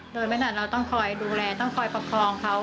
เดินไม่ถนัดเราต้องคอยดูแลต้องคอยปกครองเขา